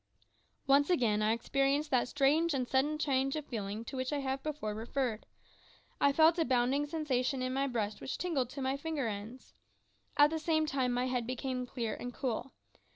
Once again I experienced that strange and sudden change of feeling to which I have before referred. I felt a bounding sensation in my breast which tingled to my finger ends. At the same time my head became clear and cool.